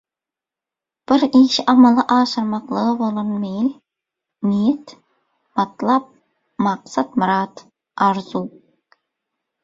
Bir işi amala aşyrmaklyga bolan meýil, niýet, matlap, maksat-myrat, arzuw.